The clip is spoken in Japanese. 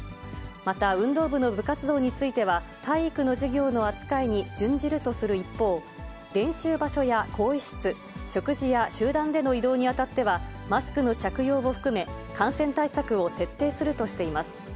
また、運動部の部活動については、体育の授業の扱いに準じるとする一方、練習場所や更衣室、食事や集団での移動にあたっては、マスクの着用を含め、感染対策を徹底するとしています。